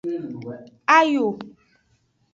Ayo.